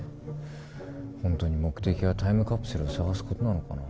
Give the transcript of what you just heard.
ホントに目的はタイムカプセルを捜すことなのかな。